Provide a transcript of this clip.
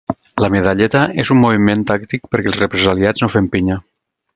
“La medalleta és un moviment tàctic perquè els represaliats no fem pinya”